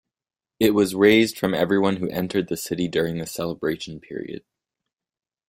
It was raised from everyone who entered the city during the celebration period.